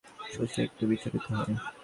শশী একটু বিচলিত হয়।